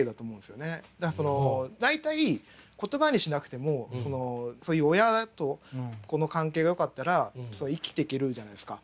大体言葉にしなくてもそういう親と子の関係がよかったら生きていけるじゃないですか。